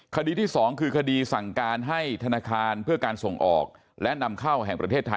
คดีที่๒คือคดีสั่งการให้ธนาคารเพื่อการส่งออกและนำเข้าแห่งประเทศไทย